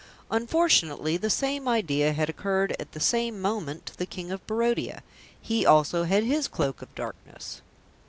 Unfortunately the same idea had occurred at the same moment to the King of Barodia. He also had his Cloak of Darkness.